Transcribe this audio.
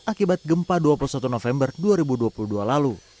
akibat gempa dua puluh satu november dua ribu dua puluh dua lalu